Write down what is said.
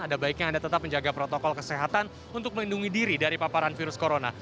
ada baiknya anda tetap menjaga protokol kesehatan untuk melindungi diri dari paparan virus corona